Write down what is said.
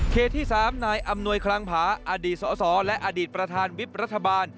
ที่๓นายอำนวยคลังผาอดีตสสและอดีตประธานวิบรัฐบาล